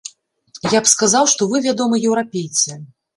Я б сказаў, што вы, вядома, еўрапейцы.